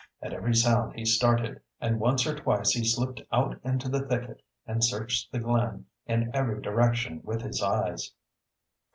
At every sound he started, and once or twice he slipped out into the thicket and searched the glen in every direction with his eyes.